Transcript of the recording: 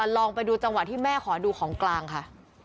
ลองไปดูจังหวะที่แม่ขอดูของกลางค่ะ